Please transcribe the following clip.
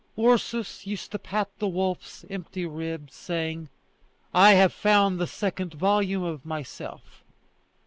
Ursus used to pat the wolf's empty ribs, saying: "I have found the second volume of myself!"